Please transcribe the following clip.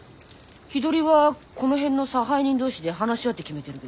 日取りはこの辺の差配人同士で話し合って決めてるけど。